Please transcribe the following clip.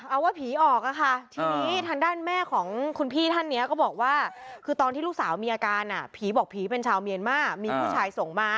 เอาว่าผีออกค่ะทีนี้ทางด้านแม่ของคุณพี่ท่านนี้ก็บอกว่าคือตอนที่ลูกสาวมีอาการผีบอกผีเป็นชาวเมียนมามีผู้ชายส่งมา